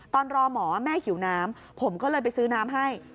ตอนรอหมอแม่หิวน้ำผมก็เลยไปซื้อน้ำให้